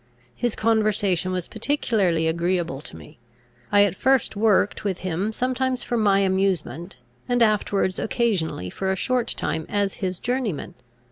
His conversation was particularly agreeable to me; I at first worked with him sometimes for my amusement, and afterwards occasionally for a short time as his journeyman.